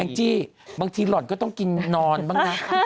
จี้บางทีหล่อนก็ต้องกินนอนบ้างนะ